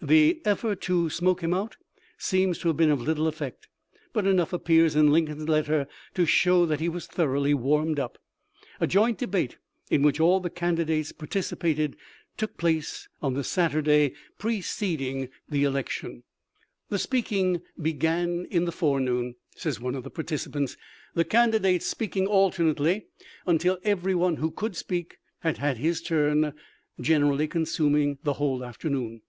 The effort to smoke him out seems to have been of little effect, but enough appears in Lincoln's letter to show that he was thoroughly warmed up. A joint debate in which all the candidates partic ipated, took place on the Saturday preceding the I70 THE LIFE OF LINCOLN: election. " The speaking began in the forenoon," says one of the participants, " the candidates speak ing alternately until everyone who could speak had had his turn, generally consuming the whole after noon."